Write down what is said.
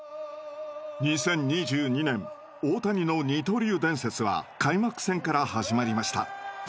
２０２２年大谷の二刀流伝説は開幕戦から始まりました。